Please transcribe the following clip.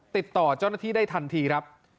ติดต่อเจ้าหน้าที่ได้ทันทีครับ